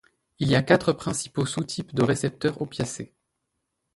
Il y a quatre principaux sous-types de récepteurs opiacés.